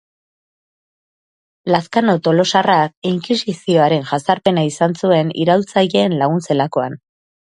Lazcano tolosarrak Inkisizioaren jazarpena izan zuen iraultzaileen lagun zelakoan.